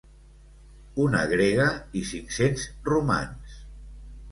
Una grega i cinc-cents romans.